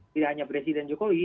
tidak hanya presiden jokowi